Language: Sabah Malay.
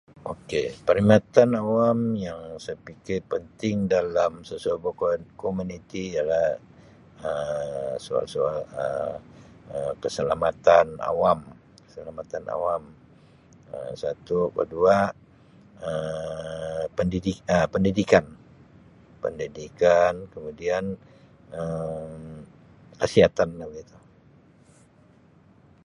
Okay, perkhidmatan awam yang saya pikir penting dalam sesebuah ke-komuniti ialah Um soal-soal Um keselamatan awam, keselamatan awam Um satu. Kedua Um pendidi-[Um] pendidikan, pendidikan kemudian Um kesihatan lah begitu.